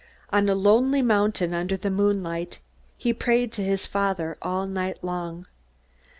On a lonely mountain, under the moon light, he prayed to his Father all night long.